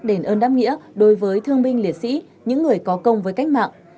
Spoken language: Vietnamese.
đền ơn đáp nghĩa đối với thương binh liệt sĩ những người có công với cách mạng